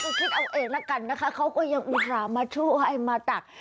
ก็คิดเอาเอกน่ะกันนะคะเขาก็ยังไม่สามารถช่วยมาตัก